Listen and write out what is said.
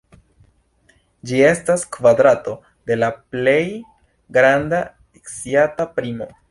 Ĝi estas kvadrato de la plej granda sciata primo.